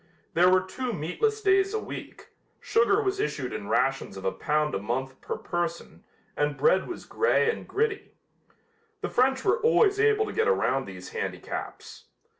There were two meatless days a week, sugar was issued in rations of a pound a month per person and bread was gray and gritty. The French were always able to get around these handicaps.